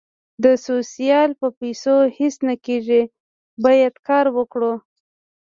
د سوسیال په پېسو هیڅ نه کېږي باید کار وکړو